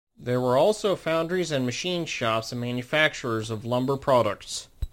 There were also foundries and machine shops and manufacturers of lumber products.